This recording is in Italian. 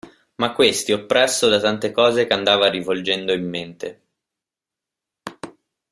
Ma questi oppresso da tante cose che andava rivolgendo in mente.